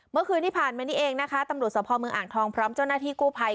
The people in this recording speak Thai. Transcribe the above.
เมื่อคืนที่ผ่านมานี่เองนะคะตำรวจสภเมืองอ่างทองพร้อมเจ้าหน้าที่กู้ภัย